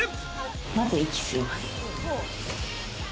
まず息吸います。